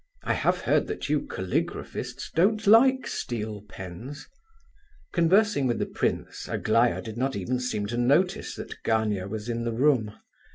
I have heard that you caligraphists don't like steel pens." Conversing with the prince, Aglaya did not even seem to notice that Gania was in the room.